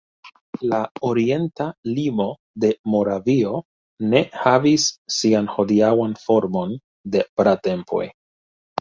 La orienta limo de Moravio ne havis sian hodiaŭan formon de pratempoj.